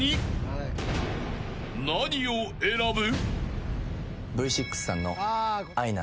［何を選ぶ？］